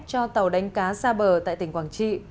cho tàu đánh cá xa bờ tại tỉnh quảng trị